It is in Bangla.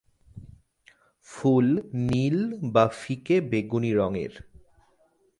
ফুল নীল বা ফিকে বেগুনি রঙের।